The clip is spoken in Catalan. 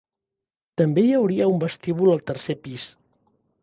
També hi hauria un vestíbul al tercer pis.